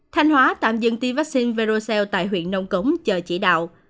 thanh hóa tạm dừng tiêm vaccine verocel tại huyện nông cống chờ chỉ đạo